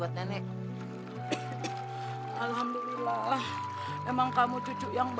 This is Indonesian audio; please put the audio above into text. jadi peruntuk yang anda leasan itu berd consumer materialnya secara jumping news